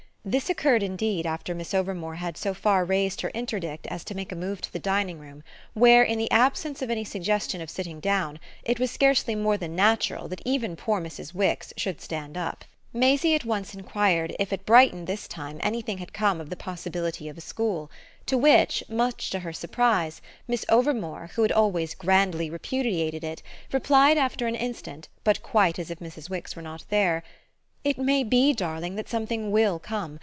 This occurred indeed after Miss Overmore had so far raised her interdict as to make a move to the dining room, where, in the absence of any suggestion of sitting down, it was scarcely more than natural that even poor Mrs. Wix should stand up. Maisie at once enquired if at Brighton, this time, anything had come of the possibility of a school; to which, much to her surprise, Miss Overmore, who had always grandly repudiated it, replied after an instant, but quite as if Mrs. Wix were not there: "It may be, darling, that something WILL come.